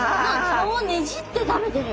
顔ねじって食べてる。